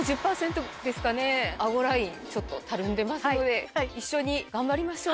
顎ラインちょっとたるんでますので一緒に頑張りましょう。